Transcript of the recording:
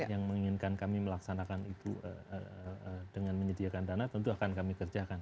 yang menginginkan kami melaksanakan itu dengan menyediakan dana tentu akan kami kerjakan